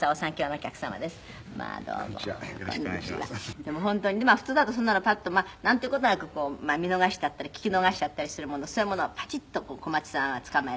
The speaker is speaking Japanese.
でも本当に普通だとそんなのパッとなんていう事なく見逃しちゃったり聞き逃しちゃったりするものをそういうものをパチッと小松さんは捕まえる。